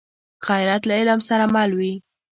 غیرت له علم سره مل وي